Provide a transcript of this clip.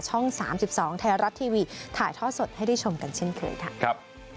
๓๒ไทยรัฐทีวีถ่ายทอดสดให้ได้ชมกันเช่นเคยค่ะ